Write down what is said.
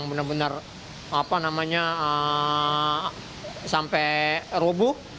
benar benar sampai rubuh